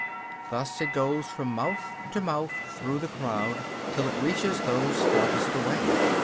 Thus it goes from mouth to mouth through the crowd, till it reaches those furthest away.